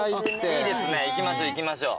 いいですね行きましょう行きましょう。